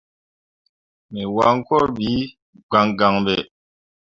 Me wancor ɓi gangan ɓe.